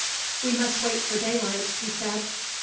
"We must wait for daylight," he said.